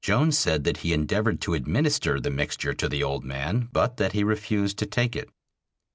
Jones said that he endeavored to administer the mixture to the old man, but that he refused to take it.